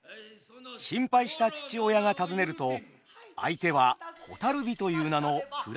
心配した父親が尋ねると相手は蛍火という名の位の高い遊女。